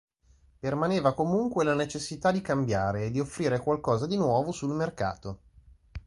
Permaneva comunque la necessità di cambiare e di offrire qualcosa di nuovo sul mercato.